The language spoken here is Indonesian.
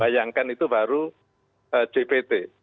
bayangkan itu baru dpt